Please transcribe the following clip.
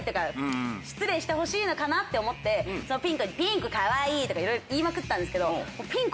のかなって思ってピン子にピン子かわいい！とかいろいろ言いまくったんですけど。